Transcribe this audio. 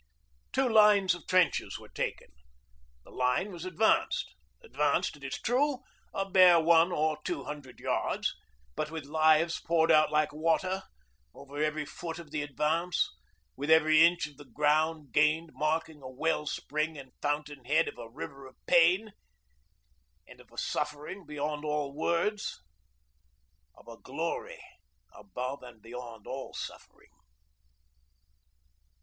Two lines of trenches were taken; the line was advanced advanced, it is true, a bare one or two hundred yards, but with lives poured out like water over each foot of the advance, with every inch of the ground gained marking a well spring and fountain head of a river of pain, of a suffering beyond all words, of a glory above and beyond all suffering.